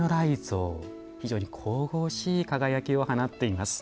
非常に神々しい輝きを放っています。